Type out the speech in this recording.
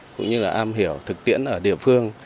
cũng như là am hiểu thực tiễn ở địa phương